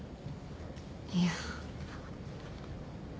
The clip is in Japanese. いや。